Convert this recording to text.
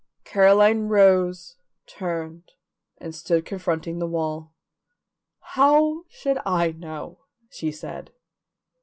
Caroline rose, turned, and stood confronting the wall. "How should I know?" she said.